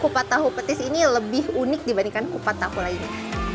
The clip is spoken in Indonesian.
kupat tahu petis ini lebih unik dibandingkan kupat tahu lainnya